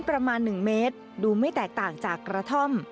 ประมาณ๑เมตรดูไม่แตกต่างจากกระท่อม